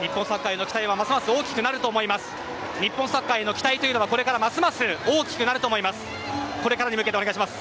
日本サッカーへの期待はますます大きくなると思います。